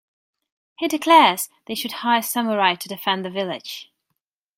He declares they should hire samurai to defend the village.